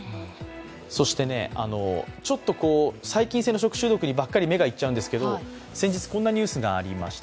そしてちょっと、細菌性の食中毒にばっかり、目が行っちゃうんですが先日、こんなニュースがありました。